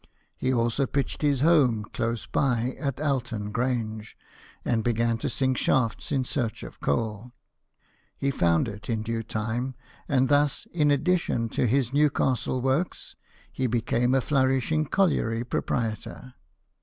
He also pitched his home close by at Alton Grange, and began to sink shafts in search of coal. He found it in due time ; and thus, in addition to his New castle works, he became a flourishing colliery proprietor.